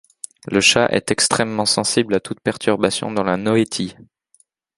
le chat est extrêmement sensible à toute perturbation dans la noétie.